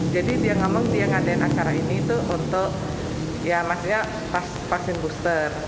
jadi dia ngomong dia ngadain acara ini itu untuk ya maksudnya vaksin booster